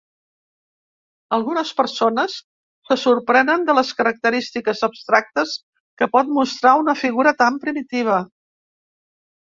Algunes persones se sorprenen de les característiques abstractes que pot mostrar una figura tan primitiva.